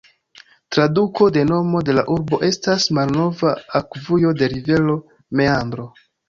Traduko de nomo de la urbo estas "malnova akvujo de rivero, meandro".